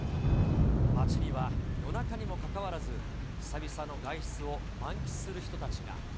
街には夜中にもかかわらず、久々の外出を満喫する人たちが。